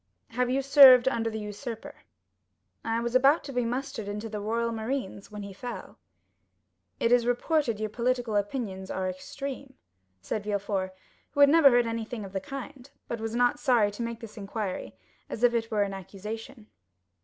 "Have you served under the usurper?" "I was about to be mustered into the Royal Marines when he fell." "It is reported your political opinions are extreme," said Villefort, who had never heard anything of the kind, but was not sorry to make this inquiry, as if it were an accusation.